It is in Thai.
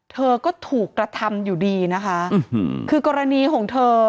เธอก็ถูกกระทำอยู่ดีนะคะคือกรณีของเธอ